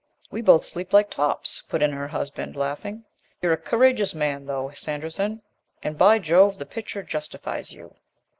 "We both sleep like tops," put in her husband, laughing. "You're a courageous man, though, Sanderson, and, by Jove, the picture justifies you.